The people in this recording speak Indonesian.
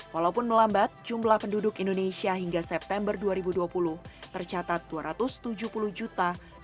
walaupun melambat jumlah penduduk indonesia hingga september dua ribu dua puluh tercatat dua ratus tujuh puluh dua ratus tiga sembilan ratus